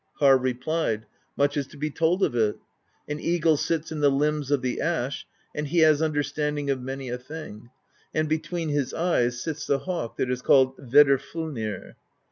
Harr replied: "Much is to be told of it. An eagle sits in the limbs of the Ash, and he has understanding of many a thing; and between his eyes sits the hawk that is called Vedrfolnir.